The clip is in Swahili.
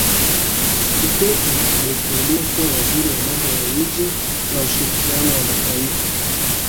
kikwete aliteuliwa kuwa waziri wa mambo ya nje na ushirikiano wa mataifa